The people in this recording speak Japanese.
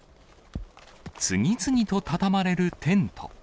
次々と畳まれるテント。